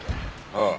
ああ。